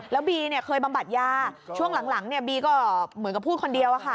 แล้วบีเคยบำบัดยาช่วงหลังบีก็เหมือนกับพูดคนเดียวอะค่ะ